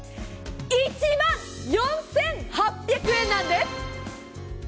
１万４８００円なんです！